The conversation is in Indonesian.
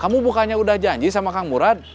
kamu bukannya udah janji sama kang murad